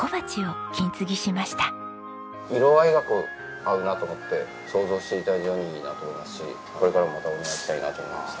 色合いが合うなと思って想像していた以上にいいなと思いますしこれからもまたお願いしたいなと思いますね。